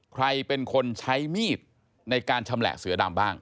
ใครเป็นคนใช้มีดในการชำแหละเสือดำบ้าง